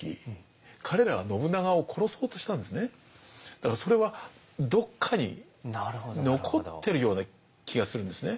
だからそれはどっかに残ってるような気がするんですね。